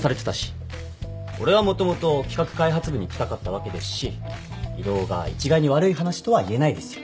俺はもともと企画開発部に行きたかったわけですし異動が一概に悪い話とは言えないですよ。